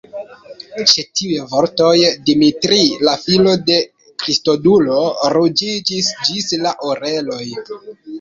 Ĉe tiuj vortoj, Dimitri, la filo de Kristodulo, ruĝiĝis ĝis la oreloj.